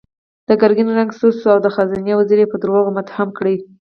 د ګرګين رنګ سور شو او د خزانې وزير يې په دروغو متهم کړ.